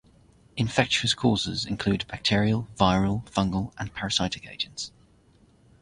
Infectious causes include bacterial, viral, fungal, and parasitic agents.